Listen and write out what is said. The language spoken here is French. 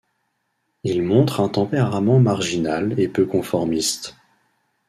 Il montre un tempérament marginal et peu conformiste.